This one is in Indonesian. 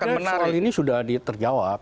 saya kira soal ini sudah diterjawab